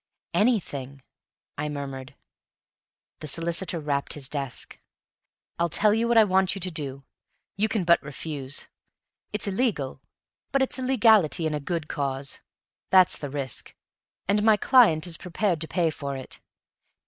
"Anything," I murmured. The solicitor rapped his desk. "I'll tell you what I want you to do. You can but refuse. It's illegal, but it's illegality in a good cause; that's the risk, and my client is prepared to pay for it.